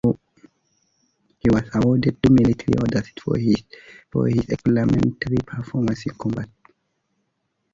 He was awarded two military orders for his exemplary performance in combat.